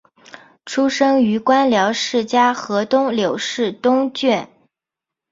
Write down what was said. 出生于官僚世家河东柳氏东眷。